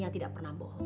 yang tidak pernah bohong